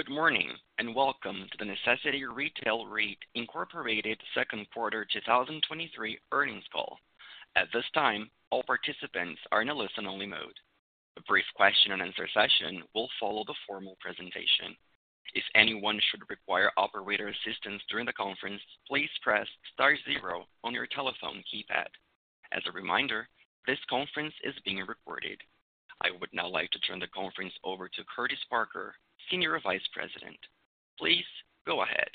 Good morning, welcome to The Necessity Retail REIT Incorporated second quarter 2023 earnings call. At this time, all participants are in a listen-only mode. A brief question-and-answer session will follow the formal presentation. If anyone should require operator assistance during the conference, please press star 0 on your telephone keypad. As a reminder, this conference is being recorded. I would now like to turn the conference over to Curtis Parker, Senior Vice President. Please go ahead.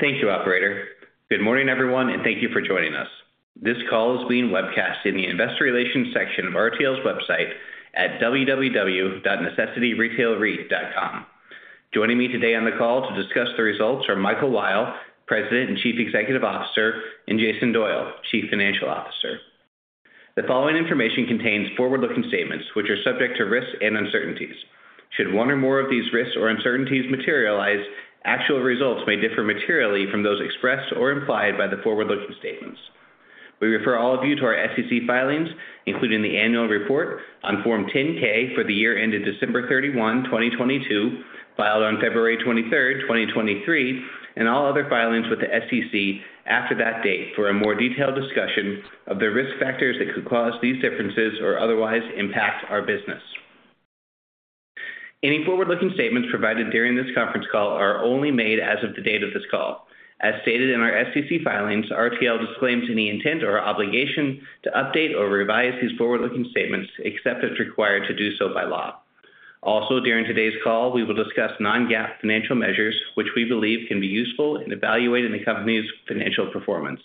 Thank you, operator. Good morning, everyone, and thank you for joining us. This call is being webcast in the investor relations section of RTL's website at www.necessityretailreit.com. Joining me today on the call to discuss the results are Michael Weil, President and Chief Executive Officer, and Jason Doyle, Chief Financial Officer. The following information contains forward-looking statements which are subject to risks and uncertainties. Should one or more of these risks or uncertainties materialize, actual results may differ materially from those expressed or implied by the forward-looking statements. We refer all of you to our SEC filings, including the annual report on Form 10-K for the year ended December 31, 2022, filed on February 23rd, 2023, and all other filings with the SEC after that date for a more detailed discussion of the risk factors that could cause these differences or otherwise impact our business. Any forward-looking statements provided during this conference call are only made as of the date of this call. As stated in our SEC filings, RTL disclaims any intent or obligation to update or revise these forward-looking statements, except as required to do so by law. Also, during today's call, we will discuss non-GAAP financial measures, which we believe can be useful in evaluating the company's financial performance.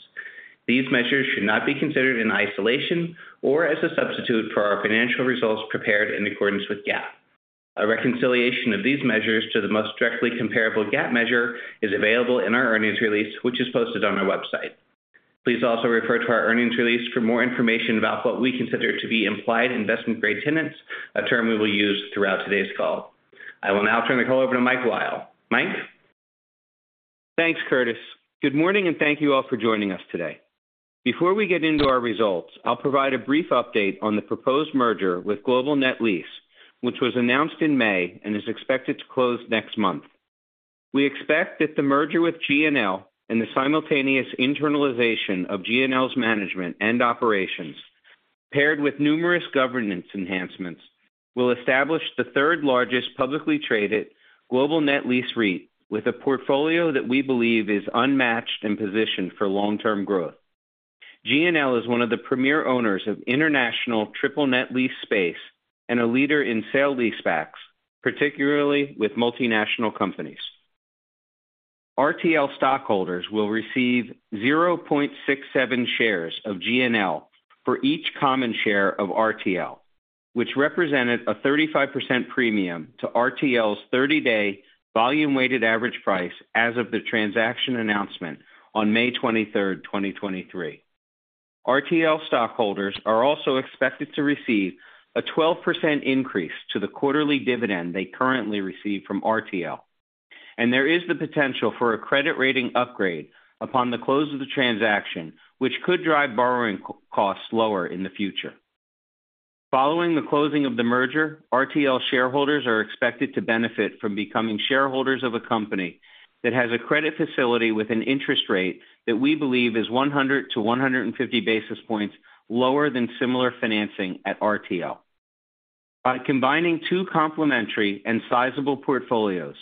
These measures should not be considered in isolation or as a substitute for our financial results prepared in accordance with GAAP. A reconciliation of these measures to the most directly comparable GAAP measure is available in our earnings release, which is posted on our website. Please also refer to our earnings release for more information about what we consider to be implied investment-grade tenants, a term we will use throughout today's call. I will now turn the call over to Mike Weil. Mike? Thanks, Curtis. Good morning, and thank you all for joining us today. Before we get into our results, I'll provide a brief update on the proposed merger with Global Net Lease, which was announced in May and is expected to close next month. We expect that the merger with GNL and the simultaneous internalization of GNL's management and operations, paired with numerous governance enhancements, will establish the third-largest publicly traded global net lease REIT with a portfolio that we believe is unmatched and positioned for long-term growth. GNL is one of the premier owners of international triple-net lease space and a leader in sale-leasebacks, particularly with multinational companies. RTL stockholders will receive 0.67 shares of GNL for each common share of RTL, which represented a 35% premium to RTL's 30-day volume-weighted average price as of the transaction announcement on May 23rd, 2023. RTL stockholders are also expected to receive a 12% increase to the quarterly dividend they currently receive from RTL. There is the potential for a credit rating upgrade upon the close of the transaction, which could drive borrowing co-costs lower in the future. Following the closing of the merger, RTL shareholders are expected to benefit from becoming shareholders of a company that has a credit facility with an interest rate that we believe is 100-150 basis points lower than similar financing at RTL. By combining two complementary and sizable portfolios,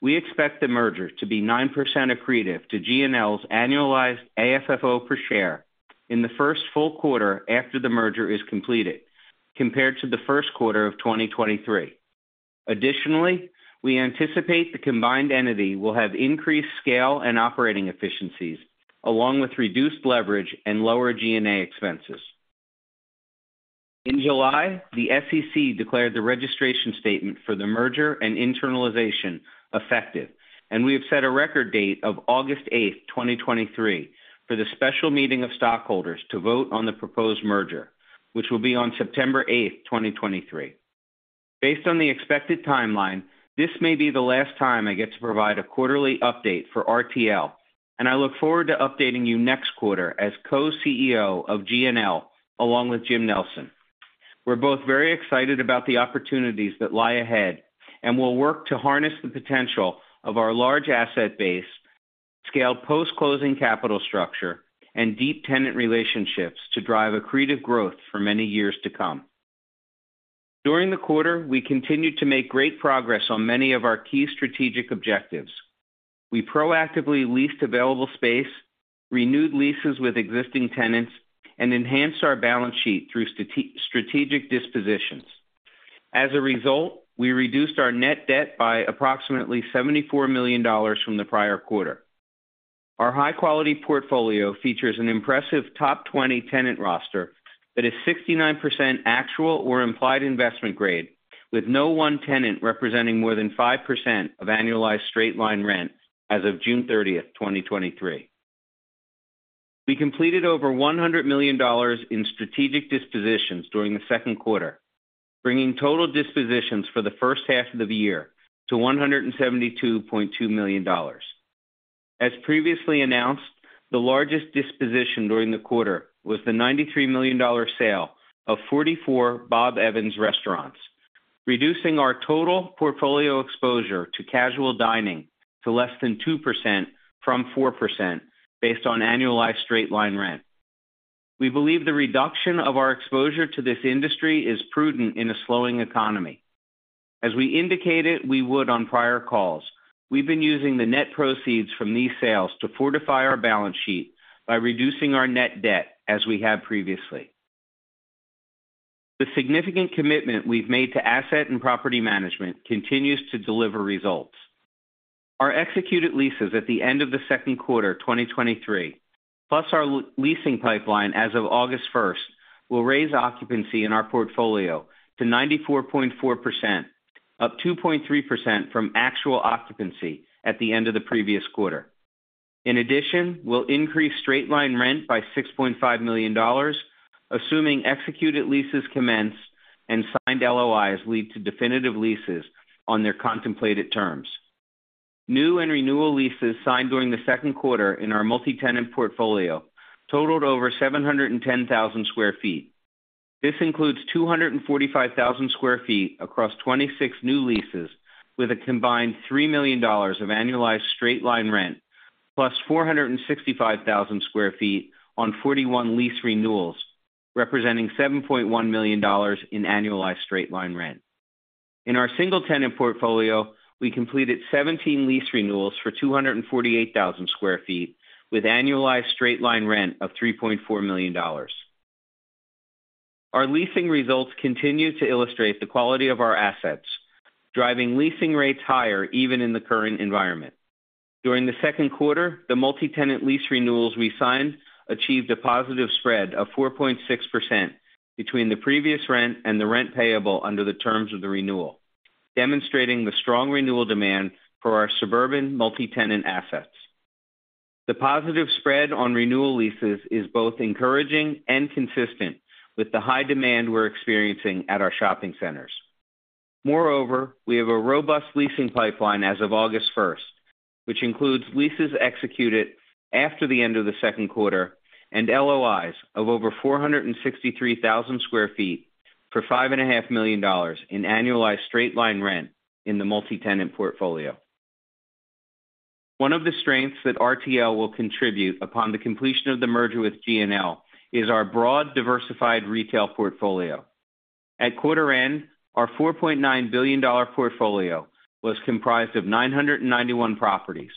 we expect the merger to be 9% accretive to GNL's annualized AFFO per share in the first full quarter after the merger is completed, compared to the first quarter of 2023. We anticipate the combined entity will have increased scale and operating efficiencies, along with reduced leverage and lower G&A expenses. In July, the SEC declared the registration statement for the merger and internalization effective, and we have set a record date of August 8th, 2023, for the special meeting of stockholders to vote on the proposed merger, which will be on September 8th, 2023. Based on the expected timeline, this may be the last time I get to provide a quarterly update for RTL, and I look forward to updating you next quarter as co-CEO of GNL, along with Jim Nelson. We're both very excited about the opportunities that lie ahead, and we'll work to harness the potential of our large asset base, scale post-closing capital structure, and deep tenant relationships to drive accretive growth for many years to come. During the quarter, we continued to make great progress on many of our key strategic objectives. We proactively leased available space, renewed leases with existing tenants, enhanced our balance sheet through strategic dispositions. As a result, we reduced our net debt by approximately $74 million from the prior quarter. Our high-quality portfolio features an impressive top 20 tenant roster that is 69% actual or implied investment grade, with no one tenant representing more than 5% of annualized straight-line rent as of June 30th, 2023. We completed over $100 million in strategic dispositions during the second quarter, bringing total dispositions for the first half of the year to $172.2 million. As previously announced, the largest disposition during the quarter was the $93 million sale of 44 Bob Evans restaurants, reducing our total portfolio exposure to casual dining to less than 2% from 4% based on annualized straight-line rent. We believe the reduction of our exposure to this industry is prudent in a slowing economy. As we indicated we would on prior calls, we've been using the net proceeds from these sales to fortify our balance sheet by reducing our net debt, as we have previously. The significant commitment we've made to asset and property management continues to deliver results. Our executed leases at the end of the second quarter, 2023, plus our leasing pipeline as of August 1st, will raise occupancy in our portfolio to 94.4%, up 2.3% from actual occupancy at the end of the previous quarter. In addition, we'll increase straight-line rent by $6.5 million, assuming executed leases commence and signed LOIs lead to definitive leases on their contemplated terms. New and renewal leases signed during the second quarter in our multi-tenant portfolio totaled over 710,000 sq ft. This includes 245,000 sq ft across 26 new leases, with a combined $3 million of annualized straight-line rent, +465,000 sq ft on 41 lease renewals, representing $7.1 million in annualized straight-line rent. In our single-tenant portfolio, we completed 17 lease renewals for 248,000 sq ft, with annualized straight-line rent of $3.4 million. Our leasing results continue to illustrate the quality of our assets, driving leasing rates higher even in the current environment. During the second quarter, the multi-tenant lease renewals we signed achieved a positive spread of 4.6% between the previous rent and the rent payable under the terms of the renewal, demonstrating the strong renewal demand for our suburban multi-tenant assets. The positive spread on renewal leases is both encouraging and consistent with the high demand we're experiencing at our shopping centers. Moreover, we have a robust leasing pipeline as of August 1st, which includes leases executed after the end of the second quarter and LOIs of over 463,000 sq ft for $5.5 million in annualized straight-line rent in the multi-tenant portfolio. One of the strengths that RTL will contribute upon the completion of the merger with GNL is our broad, diversified retail portfolio. At quarter end, our $4.9 billion portfolio was comprised of 991 properties,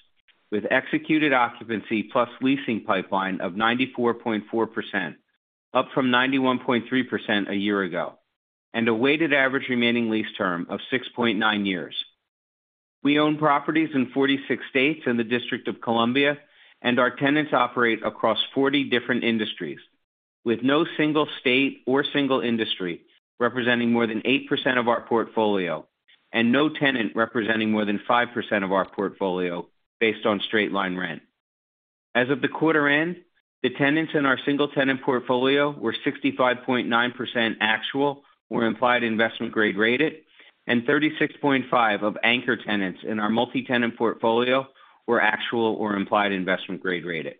with executed occupancy plus leasing pipeline of 94.4%, up from 91.3% a year ago, and a weighted average remaining lease term of 6.9 years. We own properties in 46 states and the District of Columbia. Our tenants operate across 40 different industries, with no single state or single industry representing more than 8% of our portfolio and no tenant representing more than 5% of our portfolio based on straight-line rent. As of the quarter end, the tenants in our single-tenant portfolio were 65.9% actual or implied investment-grade rated, and 36.5% of anchor tenants in our multi-tenant portfolio were actual or implied investment-grade rated.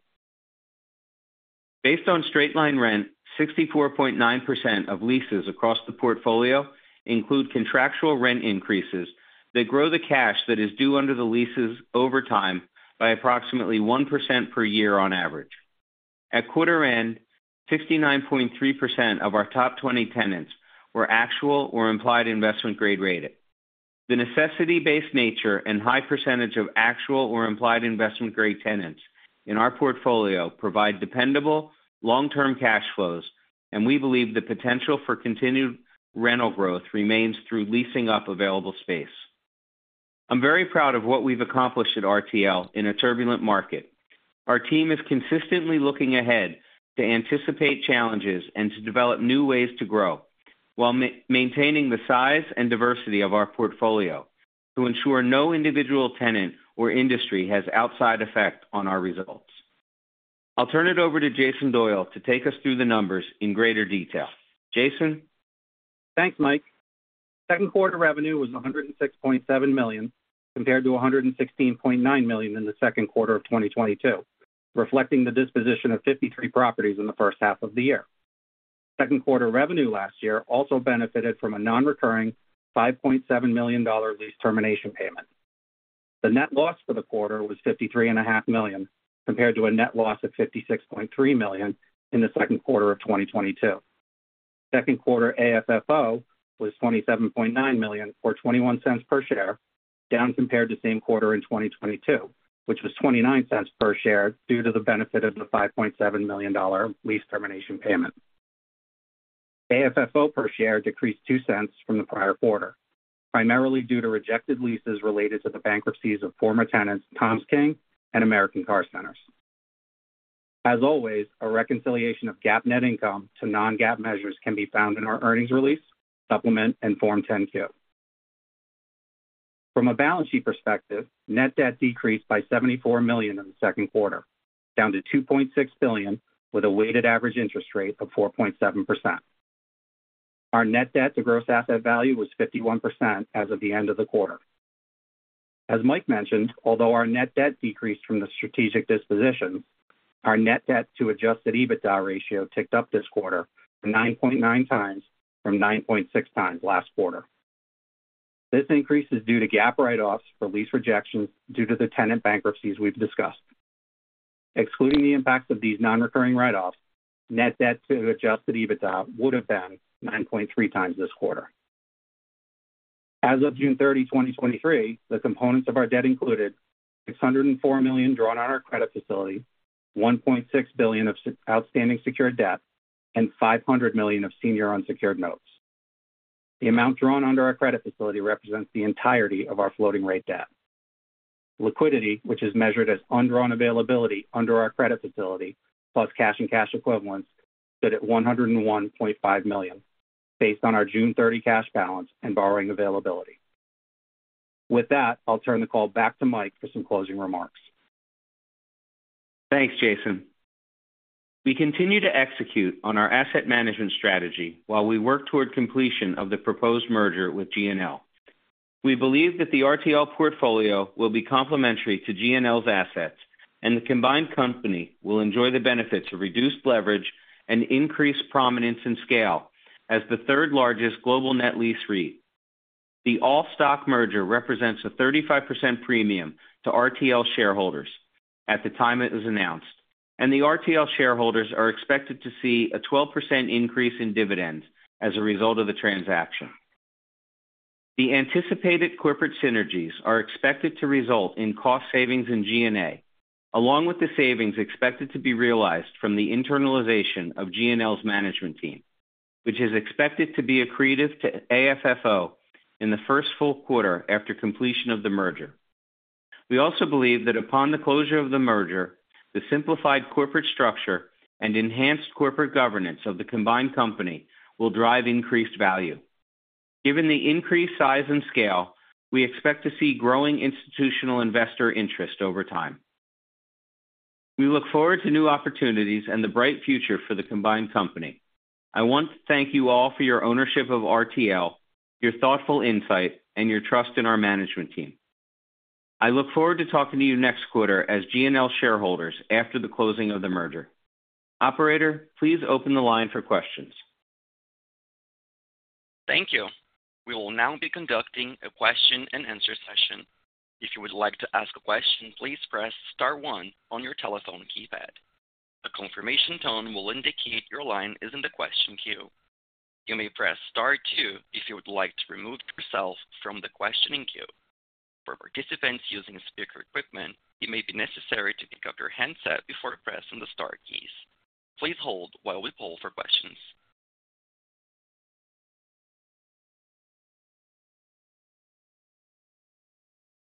Based on straight-line rent, 64.9% of leases across the portfolio include contractual rent increases that grow the cash that is due under the leases over time by approximately 1% per year on average. At quarter end, 69.3% of our top 20 tenants were actual or implied investment-grade rated. The necessity-based nature and high percentage of actual or implied investment-grade tenants in our portfolio provide dependable, long-term cash flows, and we believe the potential for continued rental growth remains through leasing up available space. I'm very proud of what we've accomplished at RTL in a turbulent market. Our team is consistently looking ahead to anticipate challenges and to develop new ways to grow, while maintaining the size and diversity of our portfolio to ensure no individual tenant or industry has outside effect on our results. I'll turn it over to Jason Doyle to take us through the numbers in greater detail. Jason? Thanks, Mike. Second quarter revenue was $106.7 million, compared to $116.9 million in the second quarter of 2022, reflecting the disposition of 53 properties in the first half of the year. Second quarter revenue last year also benefited from a non-recurring $5.7 million lease termination payment. The net loss for the quarter was $53.5 million, compared to a net loss of $56.3 million in the second quarter of 2022. Second quarter AFFO was $27.9 million, or $0.21 per share, down compared to same quarter in 2022, which was $0.29 per share due to the benefit of the $5.7 million lease termination payment. AFFO per share decreased $0.02 from the prior quarter, primarily due to rejected leases related to the bankruptcies of former tenants, Toms King and American Car Center. As always, a reconciliation of GAAP net income to non-GAAP measures can be found in our earnings release, supplement, and Form 10-K. A balance sheet perspective, net debt decreased by $74 million in the second quarter, down to $2.6 billion, with a weighted average interest rate of 4.7%. Our net debt-to-gross asset value was 51% as of the end of the quarter. As Mike mentioned, although our net debt decreased from the strategic disposition, our net debt to adjusted EBITDA ratio ticked up this quarter to 9.9x from 9.6x last quarter. This increase is due to GAAP write-offs for lease rejections due to the tenant bankruptcies we've discussed. Excluding the impact of these non-recurring write-offs, net debt to adjusted EBITDA would have been 9.3x this quarter. As of June 30, 2023, the components of our debt included $604 million drawn on our credit facility, $1.6 billion of outstanding secured debt, and $500 million of senior unsecured notes. The amount drawn under our credit facility represents the entirety of our floating rate debt. Liquidity, which is measured as undrawn availability under our credit facility, plus cash and cash equivalents, stood at $101.5 million, based on our June 30 cash balance and borrowing availability. With that, I'll turn the call back to Mike for some closing remarks. Thanks, Jason. We continue to execute on our asset management strategy while we work toward completion of the proposed merger with GNL. We believe that the RTL portfolio will be complementary to GNL's assets, and the combined company will enjoy the benefits of reduced leverage and increased prominence and scale as the third-largest global net lease REIT. The all-stock merger represents a 35% premium to RTL shareholders at the time it was announced, and the RTL shareholders are expected to see a 12% increase in dividends as a result of the transaction. The anticipated corporate synergies are expected to result in cost savings in GNL, along with the savings expected to be realized from the internalization of GNL's management team, which is expected to be accretive to AFFO in the first full quarter after completion of the merger. We also believe that upon the closure of the merger, the simplified corporate structure and enhanced corporate governance of the combined company will drive increased value. Given the increased size and scale, we expect to see growing institutional investor interest over time. We look forward to new opportunities and the bright future for the combined company. I want to thank you all for your ownership of RTL, your thoughtful insight, and your trust in our management team. I look forward to talking to you next quarter as GNL shareholders after the closing of the merger. Operator, please open the line for questions. Thank you. We will now be conducting a question-and-answer session. If you would like to ask a question, please press star one on your telephone keypad. A confirmation tone will indicate your line is in the question queue. You may press star two if you would like to remove yourself from the questioning queue. For participants using speaker equipment, it may be necessary to pick up your handset before pressing the star keys. Please hold while we poll for questions.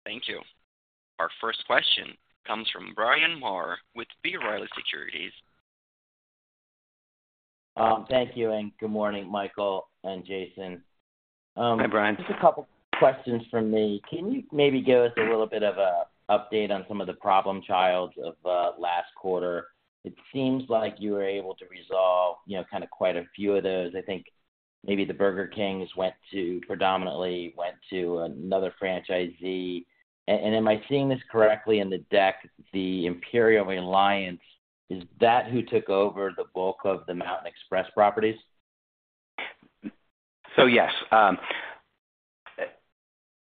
Thank you. Our first question comes from Bryan Maher with B. Riley Securities. Thank you, and good morning, Michael and Jason. Hi, Bryan. Just couple questions from me. Can you maybe give us a little bit of a update on some of the problem childs of last quarter? It seems like you were able to resolve, you know, kind of quite a few of those. I think maybe the Burger Kings went to-- predominantly went to another franchisee. A-and am I seeing this correctly in the deck, the Imperial Alliance, is that who took over the bulk of the Mountain Express properties? Yes,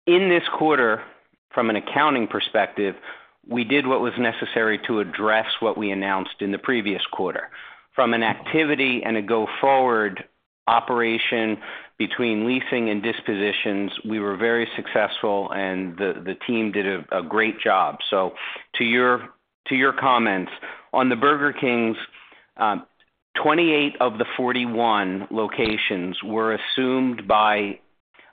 in this quarter, from an accounting perspective, we did what was necessary to address what we announced in the previous quarter. From an activity and a go-forward operation between leasing and dispositions, we were very successful, and the team did a great job. To your comments on the Burger Kings, 28 of the 41 locations were assumed by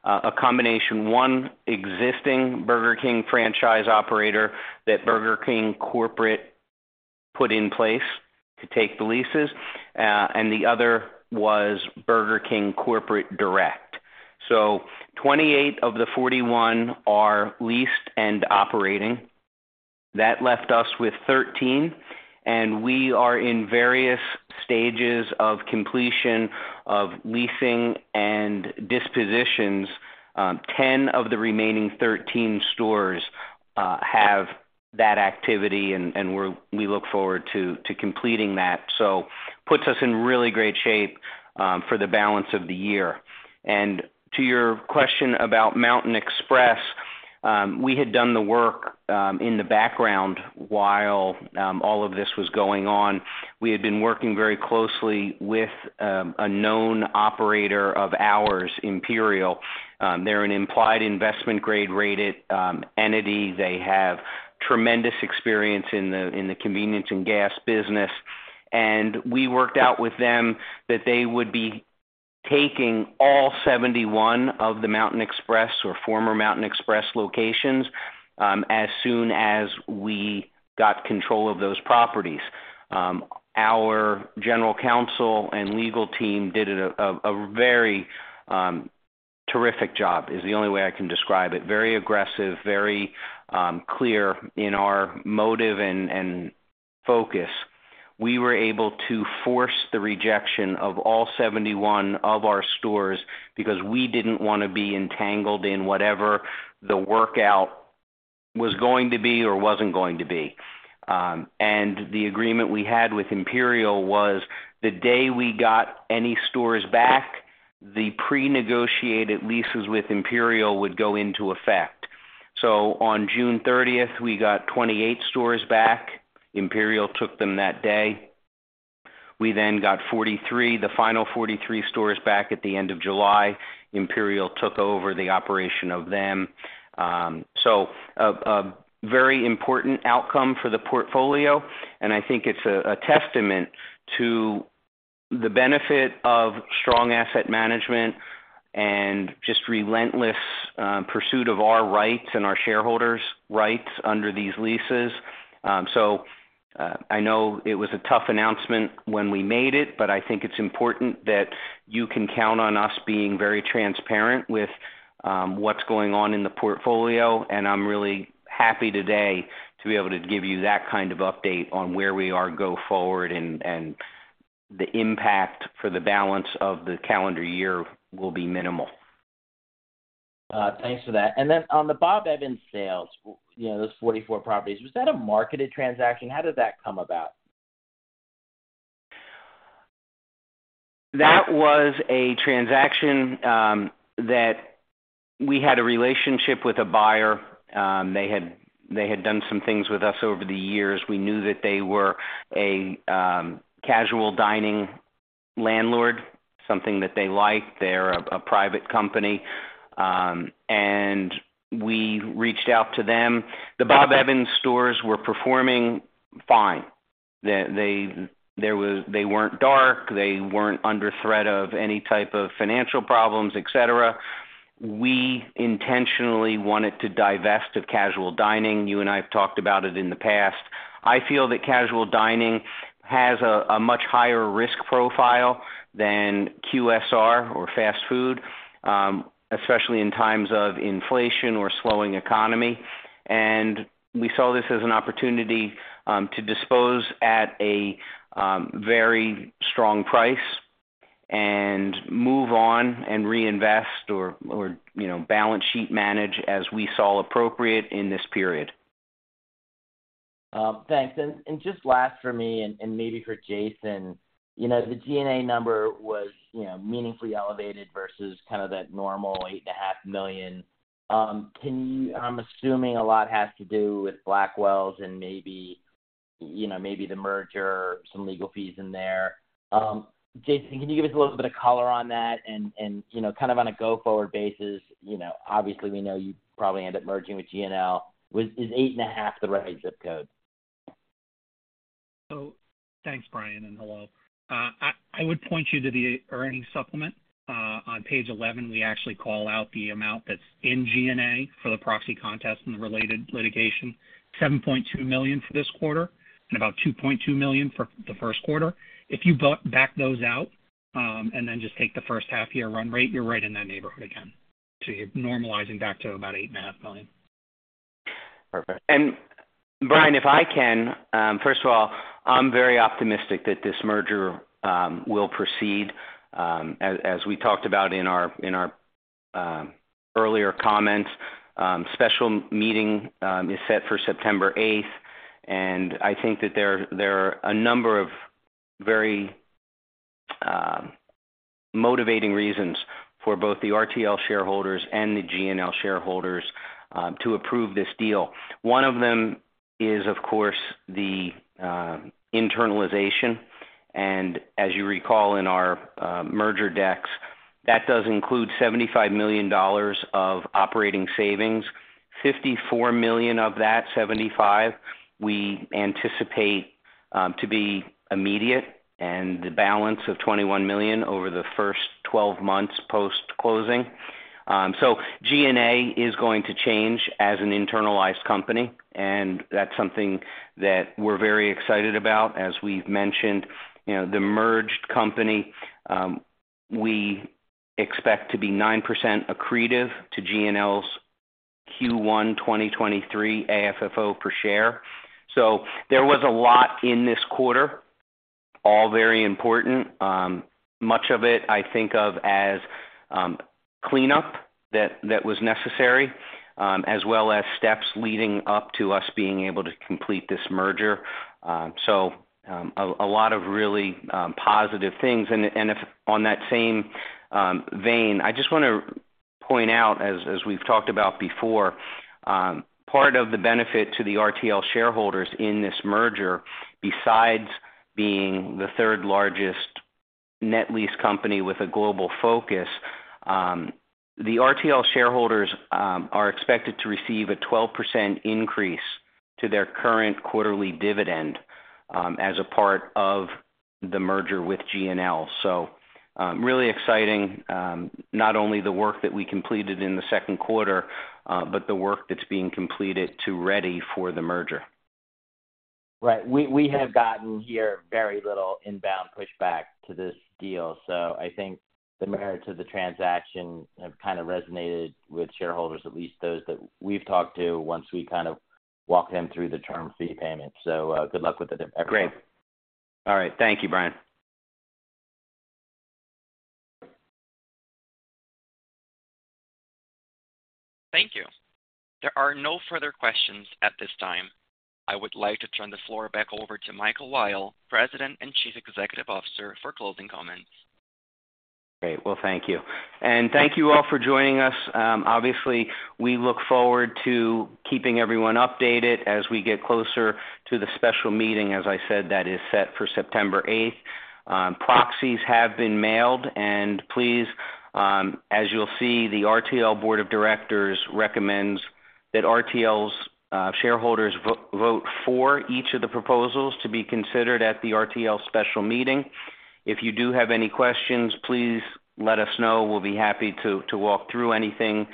a combination one existing Burger King franchise operator that Burger King corporate put in place to take the leases, and the other was Burger King corporate direct. 28 of the 41 are leased and operating. That left us with 13, and we are in various stages of completion of leasing and dispositions. 10 of the remaining 13 stores have that activity, and we look forward to completing that. Puts us in really great shape for the balance of the year. And to your question about Mountain Express, we had done the work in the background while all of this was going on. We had been working very closely with a known operator of ours, Imperial. They're an implied investment-grade-rated entity. They have tremendous experience in the, in the convenience and gas business, and we worked out with them that they would be taking all 71 of the Mountain Express or former Mountain Express locations, as soon as we got control of those properties. Our general counsel and legal team did a terrific job, is the only way I can describe it. Very aggressive, very clear in our motive and, and focus. We were able to force the rejection of all 71 of our stores because we didn't want to be entangled in whatever the workout was going to be or wasn't going to be. The agreement we had with Imperial was, the day we got any stores back, the pre-negotiated leases with Imperial would go into effect. On June 30th, we got 28 stores back. Imperial took them that day. We got 43, the final 43 stores back at the end of July. Imperial took over the operation of them. So a very important outcome for the portfolio, and I think it's a testament to the benefit of strong asset management and just relentless pursuit of our rights and our shareholders' rights under these leases. I know it was a tough announcement when we made it, but I think it's important that you can count on us being very transparent with what's going on in the portfolio. I'm really happy today to be able to give you that kind of update on where we are go forward, and, and the impact for the balance of the calendar year will be minimal. Thanks for that. Then on the Bob Evans sales, you know, those 44 properties, was that a marketed transaction? How did that come about? That was a transaction that we had a relationship with a buyer. They had done some things with us over the years. We knew that they were a casual dining landlord, something that they like. They're a private company. We reached out to them. The Bob Evans stores were performing fine. They weren't dark. They weren't under threat of any type of financial problems, et cetera. We intentionally wanted to divest of casual dining. You and I have talked about it in the past. I feel that casual dining has a much higher risk profile than QSR or fast food, especially in times of inflation or slowing economy. We saw this as an opportunity, to dispose at a, very strong price and move on and reinvest or, or, you know, balance sheet manage as we saw appropriate in this period. Thanks. Just last for me and, and maybe for Jason, you know, the G&A number was, you know, meaningfully elevated versus kind of that normal $8.5 million. I'm assuming a lot has to do with Blackwells and maybe, you know, maybe the merger, some legal fees in there. Jason, can you give us a little bit of color on that? You know, kind of on a go-forward basis, you know, obviously, we know you probably end up merging with GNL. Is $8.5 million the right zip code? Thanks, Bryan, and hello. I, I would point you to the earnings supplement. On page 11, we actually call out the amount that's in GNL for the proxy contest and the related litigation, $7.2 million for this quarter and about $2.2 million for the first quarter. If you back those out, and then just take the first half-year run rate, you're right in that neighborhood again. You're normalizing back to about $8.5 million. Perfect. Bryan, if I can, first of all, I'm very optimistic that this merger will proceed as, as we talked about in our, in our earlier comments. Special meeting is set for September 8th, and I think that there, there are a number of very motivating reasons for both the RTL shareholders and the GNL shareholders to approve this deal. One of them is, of course, the internalization. As you recall in our merger decks, that does include $75 million of operating savings. $54 million of that 75, we anticipate to be immediate, and the balance of $21 million over the first 12 months post-closing. GNL is going to change as an internalized company, and that's something that we're very excited about. As we've mentioned, you know, the merged company, we expect to be 9% accretive to GNL's Q1 2023 AFFO per share. There was a lot in this quarter, all very important. Much of it I think of as cleanup that was necessary, as well as steps leading up to us being able to complete this merger. So a lot of really positive things. If on that same vein, I just want to point out, as we've talked about before, part of the benefit to the RTL shareholders in this merger, besides being the third largest net lease company with a global focus, the RTL shareholders are expected to receive a 12% increase to their current quarterly dividend as a part of the merger with GNL. Really exciting, not only the work that we completed in the second quarter, but the work that's being completed to ready for the merger. Right. We, we have gotten here very little inbound pushback to this deal, so I think the merits of the transaction have kind of resonated with shareholders, at least those that we've talked to, once we kind of walk them through the term fee payment. Good luck with it, everything. Great. All right. Thank you, Bryan. Thank you. There are no further questions at this time. I would like to turn the floor back over to Michael Weil, President and Chief Executive Officer, for closing comments. Great. Well, thank you. And thank you all for joining us. Obviously, we look forward to keeping everyone updated as we get closer to the special meeting, as I said, that is set for September 8th. Proxies have been mailed, and please, as you'll see, the RTL Board of Directors recommends that RTL's shareholders vote for each of the proposals to be considered at the RTL special meeting. If you do have any questions, please let us know. We'll be happy to, to walk through anything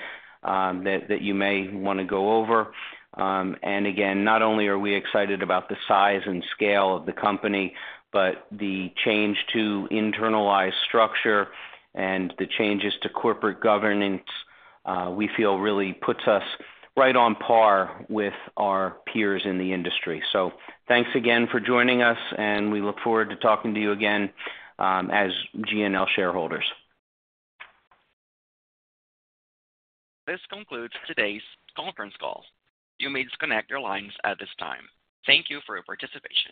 that, that you may want to go over. And again, not only are we excited about the size and scale of the company, but the change to internalized structure and the changes to corporate governance, we feel really puts us right on par with our peers in the industry. thanks again for joining us, and we look forward to talking to you again, as GNL shareholders. This concludes today's conference call. You may disconnect your lines at this time. Thank you for your participation.